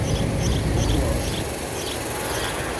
Un noir.